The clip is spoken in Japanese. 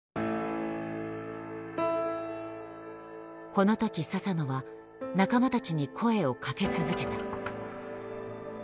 この時佐々野は仲間たちに声をかけ続けた。